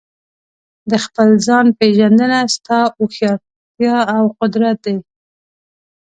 د خپل ځان پېژندنه ستا هوښیارتیا او قدرت دی.